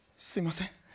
すいません。